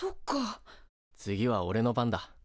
次はおれの番だ。